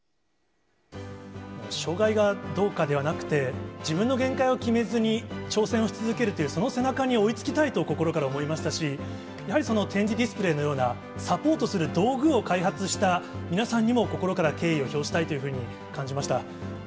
障がいがどうかではなくて、自分の限界を決めずに挑戦をし続けるという、その背中に追いつきたいと心から思いましたし、やはり点字ディスプレーのような、サポートする道具を開発した皆さんにも、心から敬意を表したいというふうに感じました。